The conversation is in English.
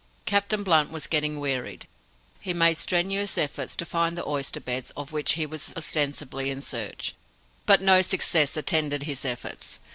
Captain Blunt was getting wearied. He made strenuous efforts to find the oyster beds of which he was ostensibly in search, but no success attended his efforts.